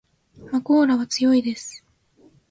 まこーらは強いです